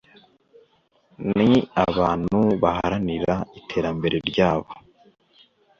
Ni abantu baharanira iterambere ryabo